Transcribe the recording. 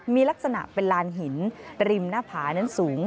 มีลักษณะเป็นลานหินริมหน้าผานั้นสูง